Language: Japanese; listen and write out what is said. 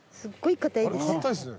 硬いですね。